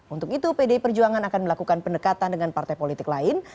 untuk itu pdi perjuangan akan melakukan pendekatan dengan partai politik lain